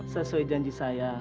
sesuai janji saya